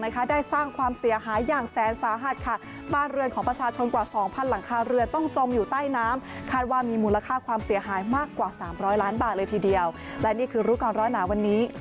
นี่คือรูปกรณ์ร้อนหนาวันนี้สวัสดีค่ะ